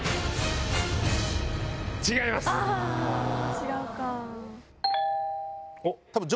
違うか。